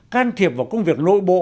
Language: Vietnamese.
can thiệp vào công việc nội bộ